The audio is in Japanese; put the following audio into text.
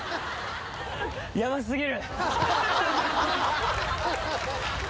ヤバ過ぎる。